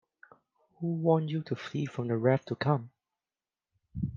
Who warned you to flee from the wrath to come?